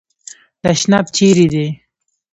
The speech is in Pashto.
تشناب چیري دی ؟